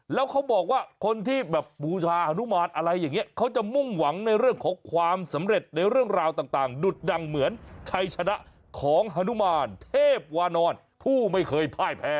แล้วเขาบอกว่าคนที่แบบบูชาฮานุมานอะไรอย่างนี้เขาจะมุ่งหวังในเรื่องของความสำเร็จในเรื่องราวต่างดุดดังเหมือนชัยชนะของฮนุมานเทพวานอนผู้ไม่เคยพ่ายแพ้